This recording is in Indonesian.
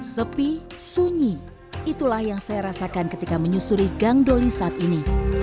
sepi sunyi itulah yang saya rasakan ketika menyusuri gangdoli saat ini